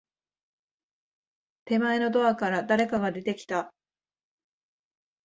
手前のドアから、誰かが出てきた。